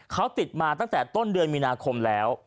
เขาติดมาตั้งแต่ต้นเดือนมีนาคมแล้ว